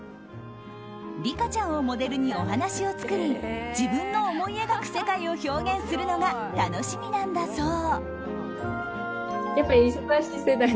リカちゃんをモデルにお話を作り自分の思い描く世界を表現するのが楽しみなんだそう。